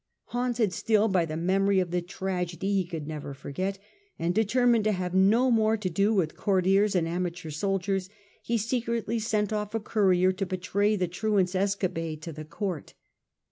Haunted still by the memory of the tragedy he could never forget, and determined to have no more to do with courtiers and amateur soldiers, he secretly sent off a courier to betray the truant's escapade to the Court.